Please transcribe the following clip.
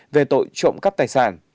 về tội trộm cắp tài sản